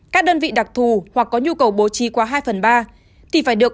các đơn vị đặc thù hoặc có nhu cầu bố trí qua hai phần ba thì phải được